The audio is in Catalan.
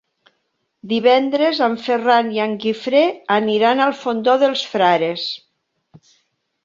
Divendres en Ferran i en Guifré aniran al Fondó dels Frares.